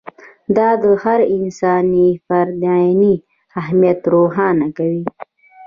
دا د هر انساني فرد عیني اهمیت روښانه کوي.